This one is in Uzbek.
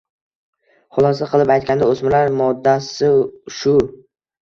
Xulosa qilib aytganda, o‘smirlar modasi shu.